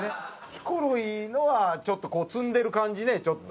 ヒコロヒーのはちょっと積んでる感じねちょっと。